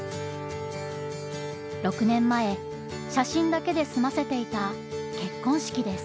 ６年前写真だけで済ませていた結婚式です。